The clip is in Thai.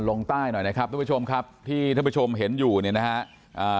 ลงใต้หน่อยนะครับทุกผู้ชมครับที่ท่านผู้ชมเห็นอยู่เนี่ยนะฮะอ่า